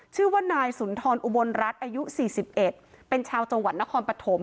ชื่อว่านายสุนทรอุบลรัฐอายุ๔๑เป็นชาวจังหวัดนครปฐม